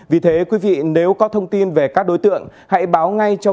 vì thế quý vị nếu có thông tin về các đối tượng hãy báo ngay cho